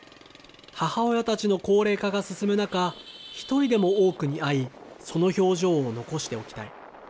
母親たちの高齢化が進む中、１人でも多くに会い、その表情を残しておきたい。